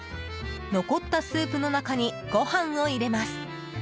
残ったスープの中にご飯を入れます。